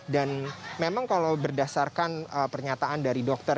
dan memang kalau berdasarkan pernyataan dari dokter